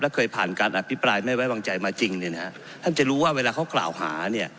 เคยผ่านการอภิปรายไม่ไว้วางใจมาจริงเนี่ยนะฮะท่านจะรู้ว่าเวลาเขากล่าวหาเนี่ย